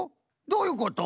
どういうこと？